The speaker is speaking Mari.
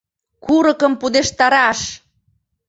Курыкым пудештараш!